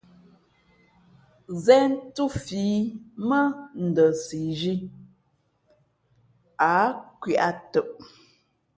Zén thūfǐ mά Ndαsizhī, ǎ nkwē ǎ tαʼ.